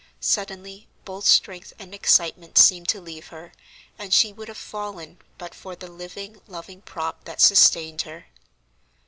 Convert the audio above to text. Suddenly both strength and excitement seemed to leave her, and she would have fallen but for the living, loving prop that sustained her.